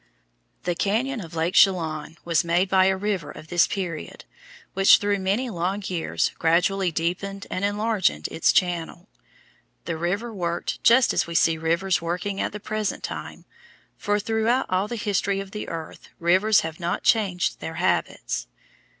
The cañon of Lake Chelan was made by a river of this period, which through many long years gradually deepened and enlarged its channel. The river worked just as we see rivers working at the present time, for throughout all the history of the earth rivers have not changed their habits.